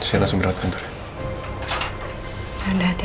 saya langsung beratkan terima kasih